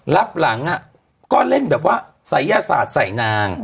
รับหลังก็เล่นใส่เงินอาหารใส่นาง